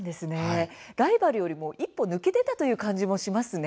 ライバルよりも一歩抜け出たという感じもしますね。